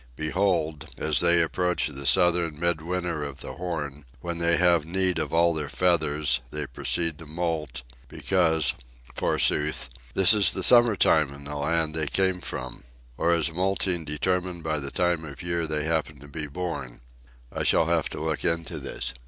Behold, as they approach the southern mid winter of the Horn, when they have need of all their feathers, they proceed to moult, because, forsooth, this is the summer time in the land they came from. Or is moulting determined by the time of year they happen to be born? I shall have to look into this.